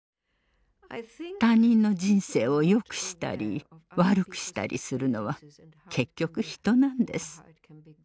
他人の人生をよくしたり悪くしたりするのは結局人なんです。